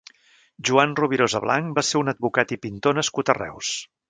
Joan Rovirosa Blanch va ser un advocat i pintor nascut a Reus.